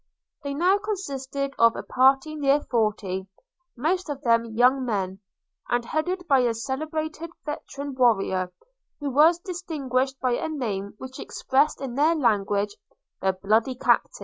They consisted of a party of near forty, most of them young men; and headed by a celebrated veteran warrior, who was distinguished by a name which expressed, in their language, 'The bloody Captain!'